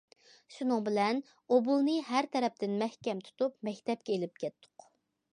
شۇنىڭ بىلەن، ئوبۇلنى ھەر تەرەپتىن مەھكەم تۇتۇپ، مەكتەپكە ئېلىپ كەتتۇق.